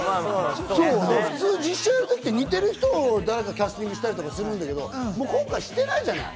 普通、実写の時って似てる人をキャスティングしたりするんだけど、今回してないじゃない？